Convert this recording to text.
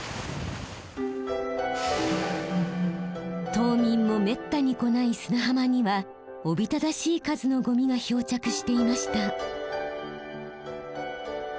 島民もめったに来ない砂浜にはおびただしい数のゴミが漂着していました。